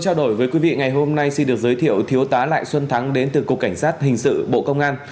trao đổi với quý vị ngày hôm nay xin được giới thiệu thiếu tá lại xuân thắng đến từ cục cảnh sát hình sự bộ công an